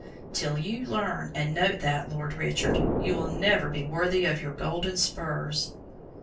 Till you learn and note that, Lord Richard, you will never be worthy of your golden spurs."